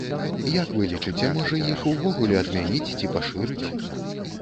Як вы лічыце, можа іх увогуле адмяніць ці пашырыць?